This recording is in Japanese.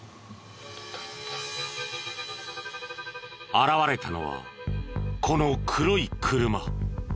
現れたのはこの黒い車。